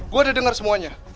gue udah denger semuanya